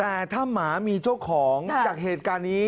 แต่ถ้าหมามีเจ้าของจากเหตุการณ์นี้